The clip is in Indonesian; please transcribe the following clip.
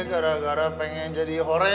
gara gara pengen jadi hore